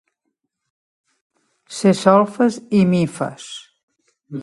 Ser solfes i mifes.